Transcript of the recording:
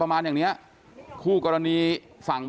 จะไม่เคลียร์กันได้ง่ายนะครับ